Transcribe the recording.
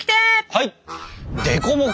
はい！